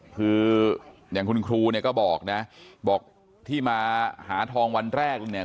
คืออย่างคุณครูเนี่ยก็บอกนะบอกที่มาหาทองวันแรกเนี่ย